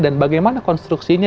dan bagaimana konstruksinya